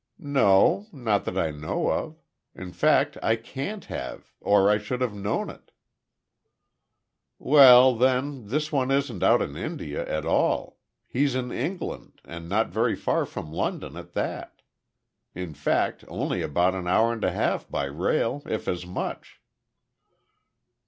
"No. Not that I know of. In fact I can't have or I should have known it." "Well then, this one isn't out in India at all. He's in England, and not very far from London at that. In fact, only about an hour and a half by rail, if as much."